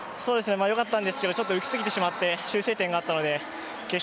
よかったんですけどちょっと浮きすぎてしまって修正点があったので決勝